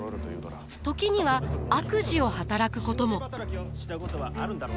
時には悪事を働くことも。